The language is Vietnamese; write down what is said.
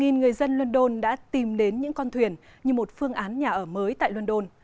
nhiều người dân london đã tìm đến những con thuyền như một phương án nhà ở mới tại london